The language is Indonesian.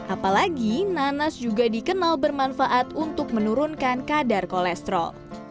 apalagi nanas juga dikenal bermanfaat untuk menurunkan kadar kolesterol